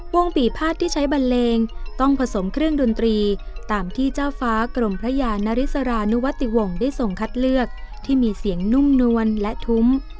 ปีภาษที่ใช้บันเลงต้องผสมเครื่องดนตรีตามที่เจ้าฟ้ากรมพระยานริสรานุวติวงศ์ได้ส่งคัดเลือกที่มีเสียงนุ่มนวลและทุ้ม